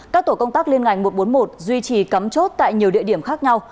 các tổ công tác liên ngành một trăm bốn mươi một duy trì cắm chốt tại nhiều địa điểm khác nhau